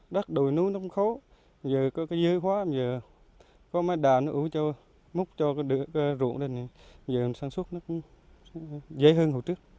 đà nó ủi cho múc cho cái ruộng này dưỡng sản xuất nó cũng dễ hơn hồi trước